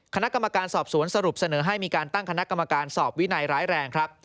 คณะกรรมการสอบสวนสรุปเสนอให้มีการตั้งคณะกรรมการสอบวินัยร้ายแรงครับ